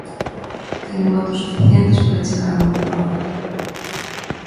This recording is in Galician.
Teñen votos suficientes para chegar á Moncloa.